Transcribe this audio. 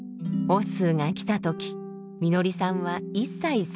オッスーが来た時みのりさんは１歳３か月。